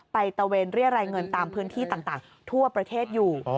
ตะเวนเรียรายเงินตามพื้นที่ต่างทั่วประเทศอยู่